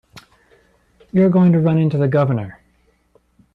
You're going to run into the Governor.